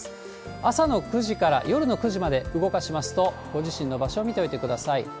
朝の９時から夜の９時まで動かしますと、ご自身の場所見ておいてください。